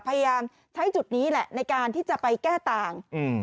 พยายามใช้จุดนี้แหละในการที่จะไปแก้ต่าง